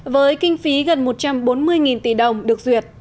với kinh phí gần một trăm bốn mươi tỷ đồng được duyệt